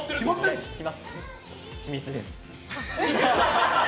秘密です。